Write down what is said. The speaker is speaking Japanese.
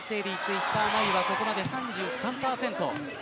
石川真佑はここまで３３％。